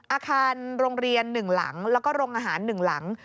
อาคารโรงเรียน๑หลังแล้วก็โรงอาหาร๑หลัง